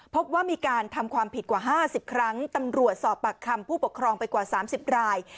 พบว่ามีการทำความผิดกว่า๕๐ครั้งตำรวจสอบปากคำผู้ปกครองไปกว่า๓๐ราย